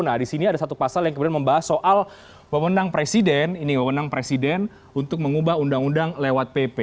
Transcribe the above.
nah di sini ada satu pasal yang kemudian membahas soal pemenang presiden ini wewenang presiden untuk mengubah undang undang lewat pp